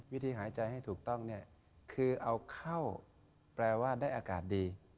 วิธีหายใจให้ถูกต้องเนี่ยคือเอาเข้าแปลว่าได้อากาศดี